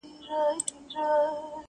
• دا زړه بېړی به خامخا ډوبېږي,